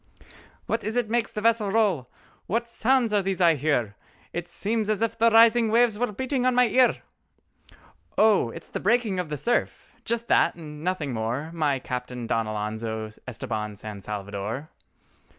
"What is it makes the vessel roll? What sounds are these I hear? It seems as if the rising waves were beating on my ear!" "Oh it is the breaking of the surf—just that and nothing more, My Captain Don Alonzo Estabán San Salvador!"